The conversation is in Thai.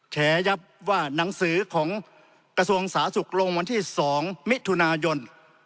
แฉยับว่าหนังสือของกระทรวงสาธารณสุขลงวันที่๒มิถุนายน